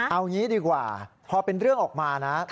เอางี้ดีกว่าพอเป็นเรื่องออกมานะ